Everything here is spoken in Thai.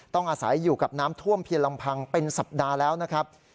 อาศัยอยู่กับน้ำท่วมเพียงลำพังเป็นสัปดาห์แล้วนะครับ